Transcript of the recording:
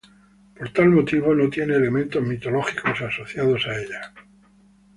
Por tal motivo, no tiene elementos mitológicos asociados a ella.